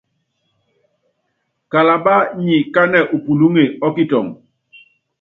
Kalabá nyi kánɛ u pulúŋe ɔ kitɔŋɔ.